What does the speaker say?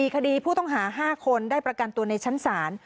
คดีผู้ต้องหา๕คนได้ประกันตัวในชั้นศาล